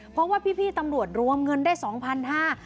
เพราะว่าพี่พี่ตำรวจรวมเงินได้สองพันห้า